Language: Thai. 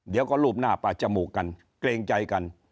เดี๋ยวก็รูปหน้าปลาจมูกกันเกรงใจกัน